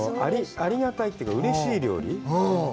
ありがたいというかうれしい料理。